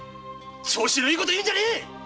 調子のいいこと言うんじゃねえ！